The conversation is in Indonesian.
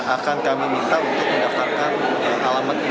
akan kami minta untuk mendaftarkan alamat ini